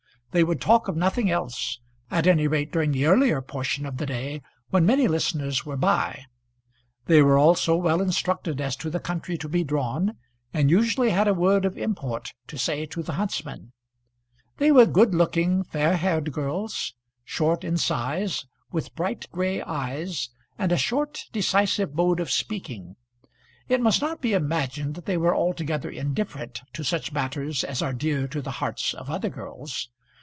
They would talk of nothing else, at any rate during the earlier portion of the day, when many listeners were by. They were also well instructed as to the country to be drawn, and usually had a word of import to say to the huntsman. They were good looking, fair haired girls, short in size, with bright gray eyes, and a short decisive mode of speaking. It must not be imagined that they were altogether indifferent to such matters as are dear to the hearts of other girls.